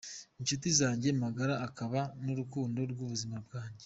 inshuti yanjye magara akaba n’urukundo rw’ubuzima bwanjye.